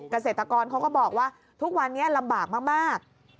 เกษตรกรเขาก็บอกว่าทุกวันนี้ลำบากมาก